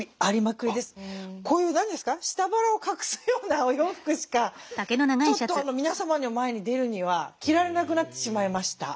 こういう何ですか下腹を隠すようなお洋服しかちょっと皆様の前に出るには着られなくなってしまいました。